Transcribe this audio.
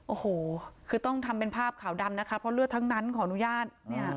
โอ้โหคือต้องทำเป็นภาพขาวดำนะคะเพราะเลือดทั้งนั้นขออนุญาตเนี่ย